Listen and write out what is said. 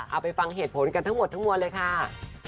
เอาไปฟังเหตุผลกันทั้งหมดทั้งมวลเลยค่ะ